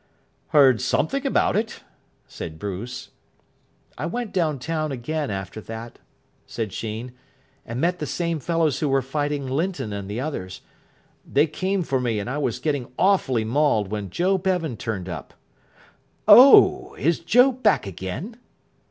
"Heard something about it," said Bruce. "I went down town again after that," said Sheen, "and met the same fellows who were fighting Linton and the others. They came for me, and I was getting awfully mauled when Joe Bevan turned up." "Oh, is Joe back again?"